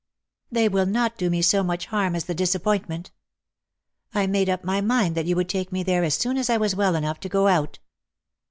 " They will not do me so much harm as the disappointment. I made up my mind that you would take me there as soon as I was well enough to go out."